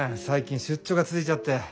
最近出張が続いちゃって。